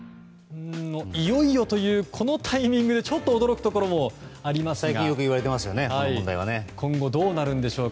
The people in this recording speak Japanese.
いよいよというこのタイミングでちょっと驚くところもありますが。